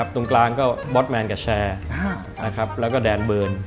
ตรงกลางก็บอสแมนกับแชร์แล้วก็แดนเบิร์น